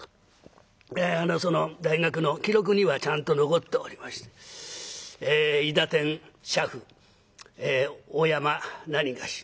その大学の記録にはちゃんと残っておりまして「韋駄天車夫大山なにがし５人抜き」